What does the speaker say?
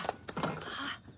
あっ。